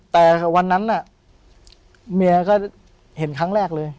แต่วันนั้นน่ะเมียก็เห็นครั้งแรกเลย